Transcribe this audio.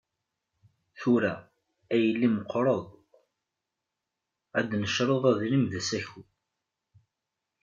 Tura, a yelli meqqreḍ, ad necreḍ adrim d asaku.